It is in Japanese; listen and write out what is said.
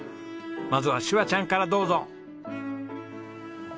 まずはしゅわちゃんからどうぞ！